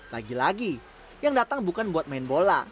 lagi lagi yang datang bukan buat main bola